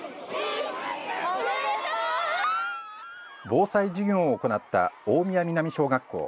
防災授業を行った大宮南小学校。